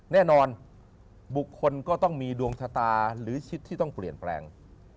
แน่นอนบุคคลก็ต้องมีดวงชะตาหรือชิดที่ต้องเปลี่ยนแปลง